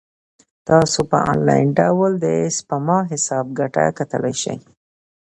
تاسو په انلاین ډول د سپما حساب ګټه کتلای شئ.